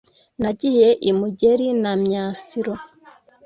Nagiye i Mugeri na Myasiro